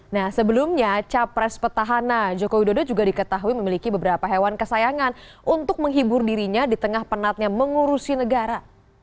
nah sebelumnya capres petahana joko widodo juga diketahui memiliki beberapa hewan kesayangan untuk menghibur dirinya di tengah penatnya mengurusi negara